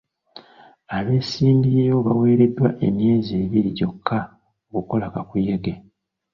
Abeesimbyewo baweereddwa emyezi ebiri gyokka okukola kakuyege.